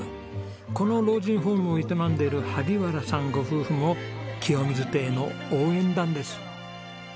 この老人ホームを営んでいる萩原さんご夫婦もきよみず邸の応援団です。